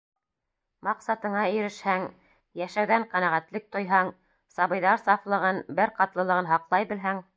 Маҡсатыңа ирешһәң, йәшәүҙән ҡәнәғәтлек тойһаң, сабыйҙар сафлығын, бер ҡатлылығын һаҡлай белһәң...